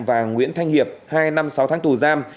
và nguyễn thanh hiệp hai năm sáu tháng tù giam